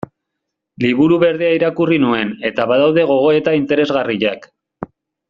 Liburu Berdea irakurri nuen, eta badaude gogoeta interesgarriak.